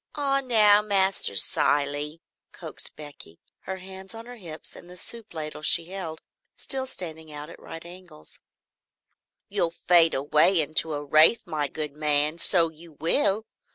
"Ah now, Master Cilley," coaxed Becky, her hands on her hips and the soup ladle she still held standing out at right angles, "you will fade away into a wraith, my good man, so you will!